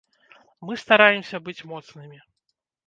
Мы стараемся быць моцнымі.